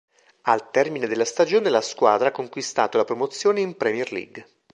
Al termine della stagione, la squadra ha conquistato la promozione in Premier League.